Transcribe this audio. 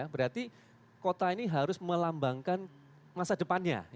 berarti kota ini harus melambangkan masa depannya